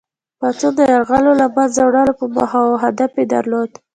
پاڅون د یرغلګرو له منځه وړلو په موخه وو او هدف یې درلود.